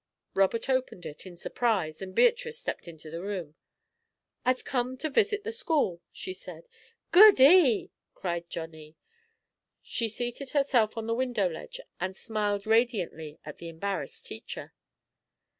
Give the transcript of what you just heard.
Robert opened it, in surprise, and Beatrice stepped into the room. "I've come to visit the school," she said. "Goody!" cried Johnny. She seated herself on the window ledge and smiled radiantly at the embarrassed teacher.